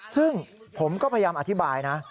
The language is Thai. ซึ่งผมก็พยายามอธิบายนะ